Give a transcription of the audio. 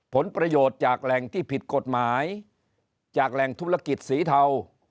ผลประโยชน์จากแหล่งที่ผิดกฎหมายจากแหล่งธุรกิจสีเทา